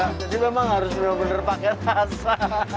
jadi memang harus benar benar pakai rasa